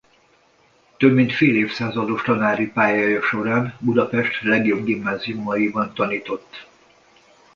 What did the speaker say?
Több mint fél évszázados tanári pályája során Budapest legjobb gimnáziumaiban tanított.